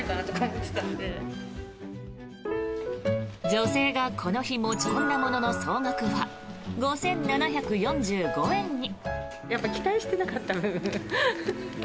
女性がこの日、持ち込んだものの総額は５７４５円に。